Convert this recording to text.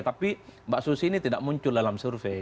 tapi mbak susi ini tidak muncul dalam survei